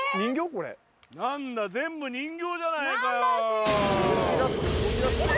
これ何だ全部人形じゃないかよ